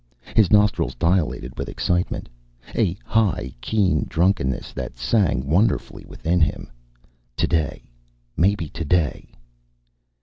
His nostrils dilated with excitement, a high keen drunkenness that sang wonderfully within him. Today maybe today!